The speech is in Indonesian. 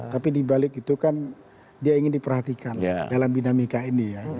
tapi dibalik itu kan dia ingin diperhatikan dalam dinamika ini ya